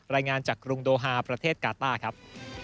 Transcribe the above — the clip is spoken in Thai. รายงานจากกรุงโดฮาประเทศกาต้าครับ